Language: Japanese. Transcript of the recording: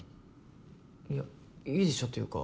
いやいいでしょっていうか